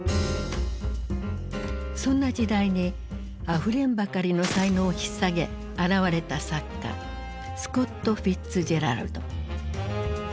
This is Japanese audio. そんな時代にあふれんばかりの才能をひっ提げ現れた作家スコット・フィッツジェラルド。